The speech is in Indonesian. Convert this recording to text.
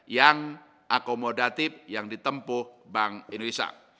yang akomodatif yang ditempuh bank indonesia